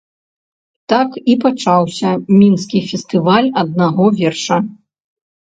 Так і пачаўся мінскі фестываль аднаго верша.